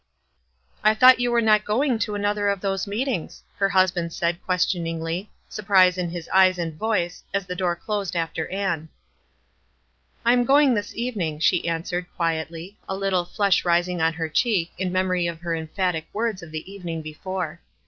" I thought vou were not sroins: to another of those meetings?" her husband said, question ingly, surprise in his eyes and voice, as the door closed after Ann. "I'm going this evening," she answered, quiet ly, a little flush rising on her cheek in memory of her emphatic words of the evening before.